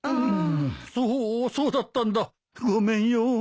そっそうだったんだごめんよ。